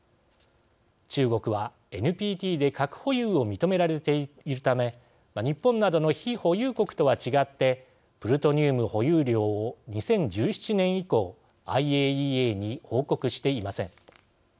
中国は、ＮＰＴで核保有を認められているため日本などの非保有国とは違ってプルトニウム保有量を２０１７年以降ＩＡＥＡに報告していません。